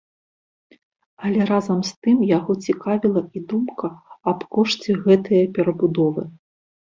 Але разам з тым яго цікавіла і думка аб кошце гэтае перабудовы.